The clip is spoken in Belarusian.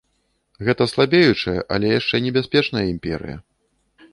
Гэта слабеючая, але яшчэ небяспечная імперыя.